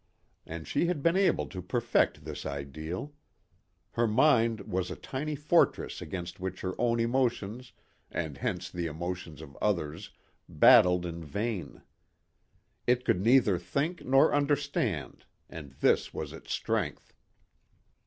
And she had been able to perfect this ideal. Her mind was a tiny fortress against which her own emotions and hence the emotions of others battled in vain. It could neither think nor understand and this was its strength.